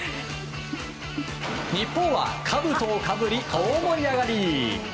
日本は、かぶとをかぶり大盛り上がり！